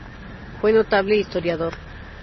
Fue notable historiador.